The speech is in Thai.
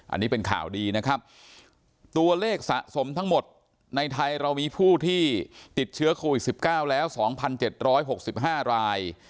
อันนี้เป็นข่าวดีนะครับตัวเลขสะสมทั้งหมดในไทยเรามีผู้ที่ติดเชื้อโควิด๑๙แล้ว๒๗๖๕ราย